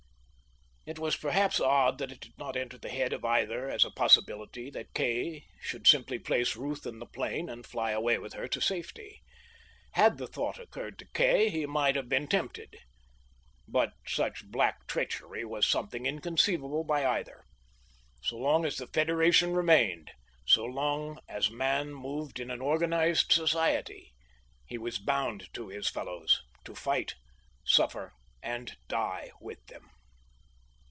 It was perhaps odd that it did not enter the head of either as a possibility that Kay should simply place Ruth in the plane and fly away with here to safety. Had the thought occurred to Kay, he might have been tempted. But such black treachery was something inconceivable by either. So long as the Federation remained, so long as man moved in an organized society, he was bound to his fellows, to fight, suffer, and die with them.